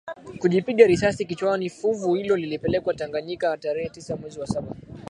kujipiga risasi kichwaniFuvu hilo lilipelekwa Tanganyika tarehe tisa mwezi wa saba mwaka elfu